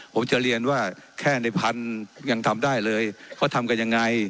ผมจะเรียนว่าแค่ในพันยังทำได้เลยเขาทำกันยังไง